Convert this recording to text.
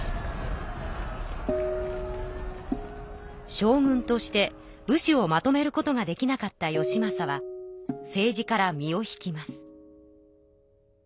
将軍として武士をまとめることができなかった義政は政治から身を引きます。